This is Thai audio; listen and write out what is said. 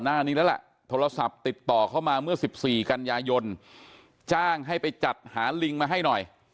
หน้านี้แล้วล่ะโทรศัพท์ติดต่อเข้ามาเมื่อ๑๔กันยายนจ้างให้ไปจัดหาลิงมาให้หน่อย